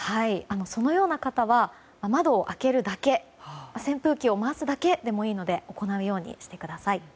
そのような方は窓を開けるだけ扇風機を回すだけでもいいので行うようにしてください。